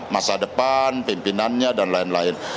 masa depan pimpinannya dan lain lain